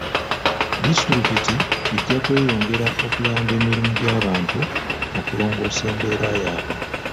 Disitulikiti ejja kweyongera okuyamba mirimu gy'abantu okulongoosa embeera yaabwe.